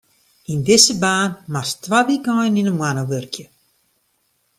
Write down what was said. Yn dizze baan moatst twa wykeinen yn 'e moanne wurkje.